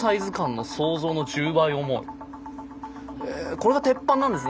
これが鉄板なんですね